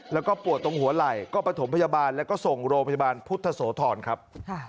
แล้วก็ปวดตรงหัวไหล่ก็ประถมพยาบาลแล้วก็ส่งโรงพยาบาลพุทธโสธรครับ